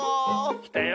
きたよ